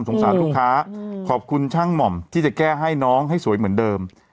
สารลูกค้าขอบคุณช่างหม่อมที่จะแก้ให้น้องให้สวยเหมือนเดิม